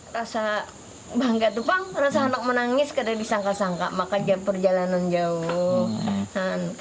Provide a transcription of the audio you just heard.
rasa bangga tuh pang rasa anak menangis kadang disangka sangka makanya perjalanan jauh